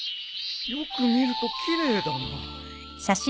よく見ると奇麗だなあ。